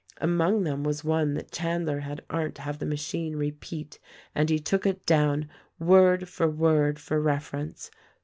Among them was one that Chandler had Arndt have the machine repeat and he took it down word for word for reference.